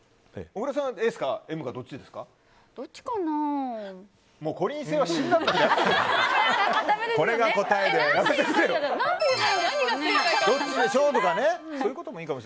小倉さんはＳかＭかどっちですか？